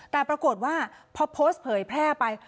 แต่ปรากฏว่าพอโพสต์เผยแพร่ไป